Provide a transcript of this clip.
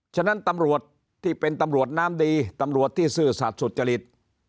ฉะนั้นตำรวจที่เป็นตำรวจน้ำดีตำรวจที่ซื่อสัตว์สุจริต